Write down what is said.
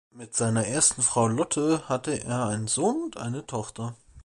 Mit seiner ersten Frau Lotte hatte er einen Sohn und eine Tochter.